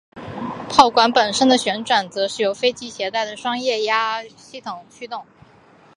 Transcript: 炮管本身的旋转则是由飞机携带的双液压系统驱动。